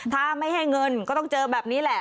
ถ้าไม่ให้เงินก็ต้องเจอแบบนี้แหละ